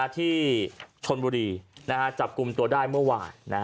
ที่ชนบุรีจับกลุ่มตัวได้เมื่อวาน